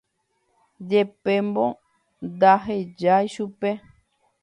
Jepémo ndahechái chupe.